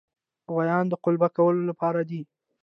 غوایان د قلبه کولو لپاره دي.